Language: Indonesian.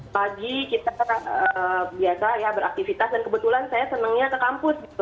pagi kita biasa ya beraktivitas dan kebetulan saya senangnya ke kampus gitu